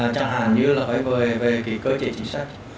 chẳng hạn như là hỏi về cơ chế chính sách